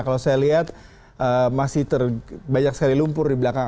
kalau saya lihat masih terbanyak sekali lumpur di belakang